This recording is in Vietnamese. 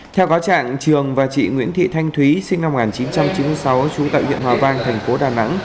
theo cáo trạng trường và chị nguyễn thị thanh thúy sinh năm một nghìn chín trăm chín mươi sáu trú tại huyện hòa vang thành phố đà nẵng